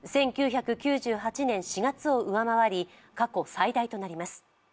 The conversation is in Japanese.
１９９８年４月を上回り過去最大となります。